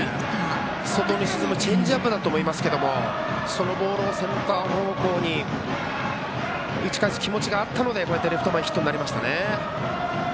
外に沈むチェンジアップだったと思いますけどもそのボールをセンター方向に打ち返す気持ちがあったのでこうやってレフト前ヒットになりました。